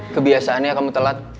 kebiasaannya kamu telat